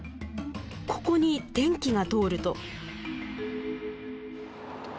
ここに電気が通ると。